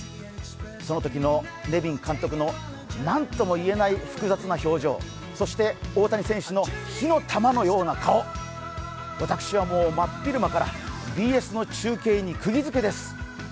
そのときのレビン監督の何とも言えない複雑な表情、そして大谷選手の顔、私はもう真っ昼間からＢＳの中継に釘付けです。